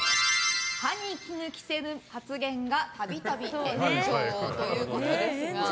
歯に衣着せぬ発言が度々炎上ということですが。